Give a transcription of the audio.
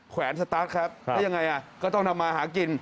แวนสตาร์ทครับแล้วยังไงก็ต้องทำมาหากิน